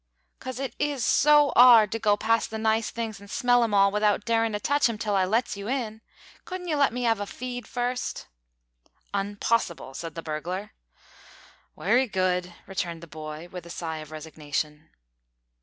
"'Cause it is so 'ard to go past the nice things an' smell 'em all without darin' to touch 'em till I lets you in. Couldn't you let me 'ave a feed first?" "Unpossible," said the burglar. "Wery good," returned the boy, with a sigh of resignation.